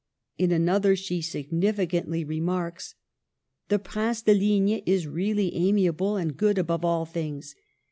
In another she significantly remarks ;—" The Prince de. Ligne is really amiable and good above all things.